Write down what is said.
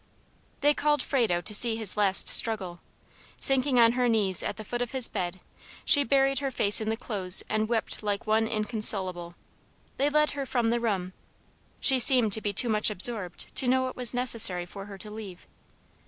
They called Frado to see his last struggle. Sinking on her knees at the foot of his bed, she buried her face in the clothes, and wept like one inconsolable. They led her from the room. She seemed to be too much absorbed to know it was necessary for her to leave.